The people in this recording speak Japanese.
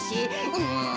うん。